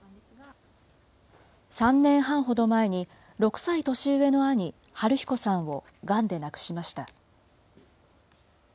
３年半ほど前に、６歳年上の兄、晴彦さんをがんで亡くしました。